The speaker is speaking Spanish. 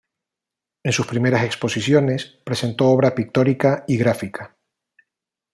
En sus primeras exposiciones presentó obra pictórica y gráfica.